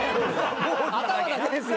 頭だけですよ。